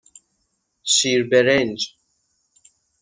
شیر برنج